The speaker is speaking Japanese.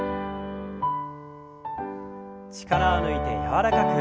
力を抜いて柔らかく。